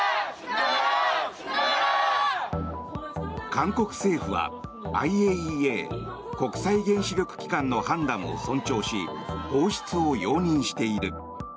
韓国政府はＩＡＥＡ・国際原子力機関の判断を尊重し放出を容認している。